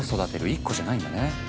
１個じゃないんだね。